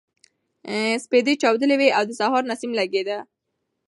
سپېدې چاودلې وې او د سهار نسیم لګېده.